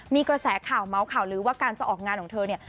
มีกระแสข่าวเมาส์ข่าวลือว่าการจะออกงานของเธอเนี่ย